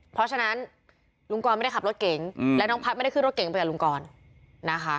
เพราะฉะนั้นลุงกรไม่ได้ขับรถเก๋งและน้องพัฒน์ไม่ได้ขึ้นรถเก๋งไปกับลุงกรนะคะ